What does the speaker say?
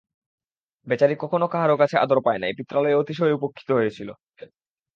বেচারি কখনো কাহারো কাছে আদর পায় নাই, পিত্রালয়ে অতিশয় উপেক্ষিত হইয়াছিল।